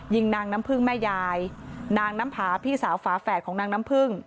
ยิงนางน้ำพึ่งแม่ยายนางน้ำผาพี่สาวฝาแฝดของนางน้ำพึ่ง